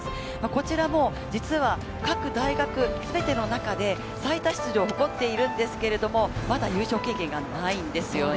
こちらも実は各大学全ての中で最多出場を誇っているんですけれども、まだ優勝経験がないんですよね。